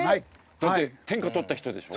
だって天下とった人でしょ？